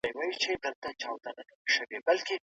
دا ورځ د پوهاوي لپاره ده.